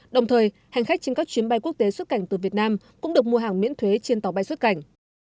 đồng thời hành khách trên các chuyến bay quốc tế xuất cảnh từ việt nam cũng được mua hàng miễn thuế trên tàu bay xuất cảnh